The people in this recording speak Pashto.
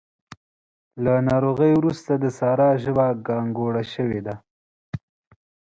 له ناروغۍ روسته د سارا ژبه ګانګوړه شوې ده.